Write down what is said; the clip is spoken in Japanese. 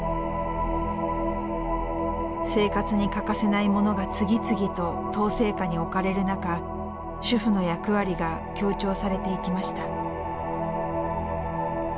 生活に欠かせない物が次々と統制下に置かれる中主婦の役割が強調されていきました。